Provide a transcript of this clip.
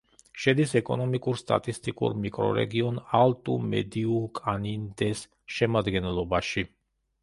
შედის ეკონომიკურ-სტატისტიკურ მიკრორეგიონ ალტუ-მედიუ-კანინდეს შემადგენლობაში.